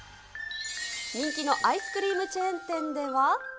人気のアイスクリームチェーン店では。